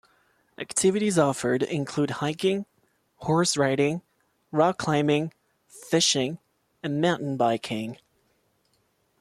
Activities offered include hiking, horse riding, rock-climbing, fishing and mountain-biking.